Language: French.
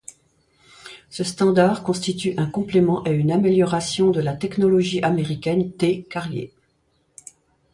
Ce standard constitue un complément et une amélioration de la technologie américaine T-carrier.